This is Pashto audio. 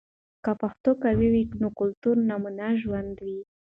که پښتو قوي وي، نو کلتوري نمونه ژوندۍ وي.